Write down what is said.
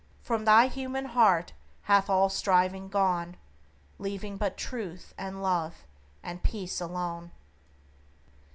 From thy human heart hath all striving gone, Leaving but Truth, and Love, and Peace alone?